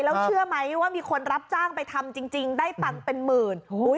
แล้วเชื่อไหมว่ามีคนรับจ้างไปทำจริงได้ตังค์เป็นหมื่น